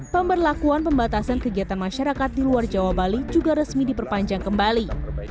pemberlakuan pembatasan kegiatan masyarakat di luar jawa bali juga resmi diperpanjang kembali